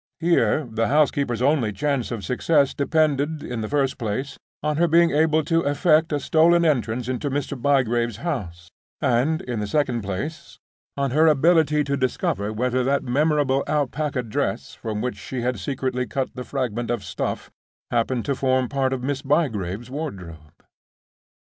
Here the housekeeper's only chance of success depended, in the first place, on her being able to effect a stolen entrance into Mr. Bygrave's house, and, in the second place, on her ability to discover whether that memorable alpaca dress from which she had secretly cut the fragment of stuff happened to form part of Miss Bygrave's wardrobe.